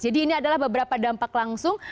jadi ini adalah beberapa dampak langsung